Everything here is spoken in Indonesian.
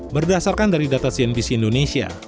berdasarkan dari data cnbc indonesia